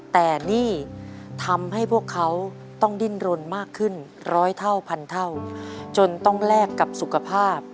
แต่นี่ทำให้พวกเขาต้องดิ้นรนมากขึ้นร้อยเท่าพันเท่าจนต้องแลกกับสุขภาพ